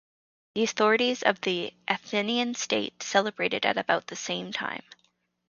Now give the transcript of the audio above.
The authorities of the Athenian state celebrated it at about the same time.